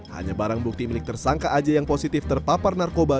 hanya barang bukti milik tersangka aja yang positif terpapar narkoba